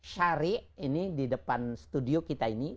syari ini di depan studio kita ini